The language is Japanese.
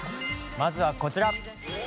まずはこちら。